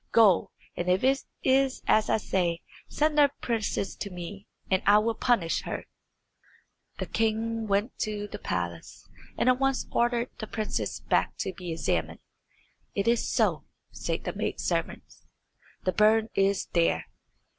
Go, and if it is as I say, send the princess to me, and I will punish her." The king went back to the palace, and at once ordered the princess's back to be examined. "It is so," said the maid servant; "the burn is there."